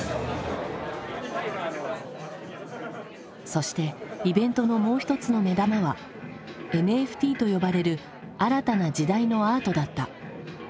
そしてイベントのもう一つの目玉はＮＦＴと呼ばれる新たな時代のアートだった。